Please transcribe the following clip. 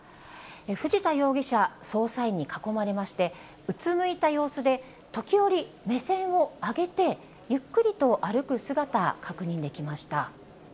藤田容疑者、捜査員に囲まれまして、うつむいた様子で時折、目線を上げて、ゆっくりと歩く姿、確認できました。